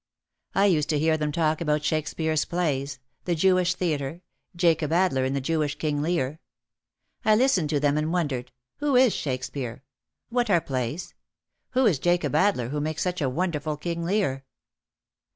I used to hear them talk about Shakespeare's plays, the Jewish theatre, Jacob Adler in the Jewish King Lear. I listened to them and wondered, "Who is Shakespeare ? What are plays ? Who is Jacob Adler who makes such a wonderful King Lear?"